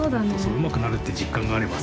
うまくなるって実感があればさ。